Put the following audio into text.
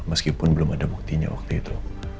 meskipun belum ada buktinya waktu itu